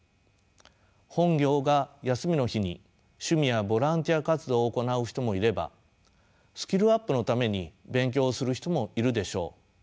本業が休みの日に趣味やボランティア活動を行う人もいればスキルアップのために勉強をする人もいるでしょう。